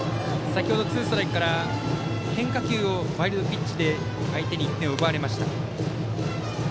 先程、ツーストライクから変化球をワイルドピッチで相手に１点を奪われました。